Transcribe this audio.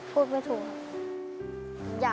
พูดไม่ถูกครับ